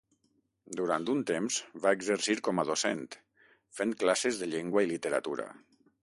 Durant un temps va exercir com a docent fent classes de llengua i literatura.